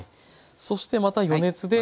そしてまた余熱で。